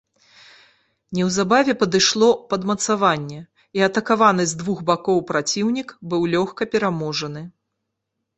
Неўзабаве падышло падмацаванне, і атакаваны з двух бакоў праціўнік быў лёгка пераможаны.